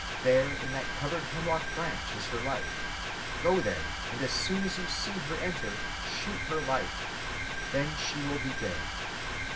There in that covered hemlock branch is her life. Go there, and as soon as you see her enter, shoot her life. Then she will be dead."